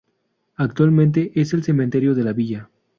Actualmente es el cementerio de la Villa.